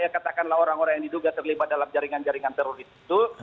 katakanlah orang orang yang diduga terlibat dalam jaringan jaringan teroris itu